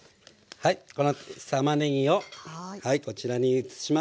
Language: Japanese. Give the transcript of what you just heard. はいこのたまねぎをこちらに移します。